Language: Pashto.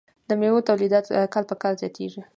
د میوو تولیدات کال په کال زیاتیږي.